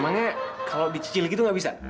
emangnya kalau dicicil gitu gak bisa